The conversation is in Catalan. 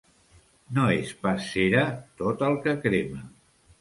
No és pas cera tot el que crema.